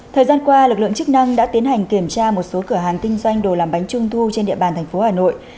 thời gian qua lực lượng chức năng đã tiến hành kiểm tra một số cửa hàng kinh doanh đồ làm bánh trung thu trên địa bàn thành phố hà nội